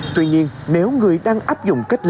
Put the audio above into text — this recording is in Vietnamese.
tuy nhiên nếu người đang áp dụng cách ly tại nhà